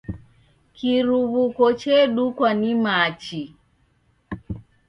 Kiruw'uko chedukwa ni machi.